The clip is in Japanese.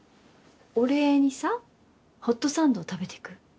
お礼にさホットサンド食べていく？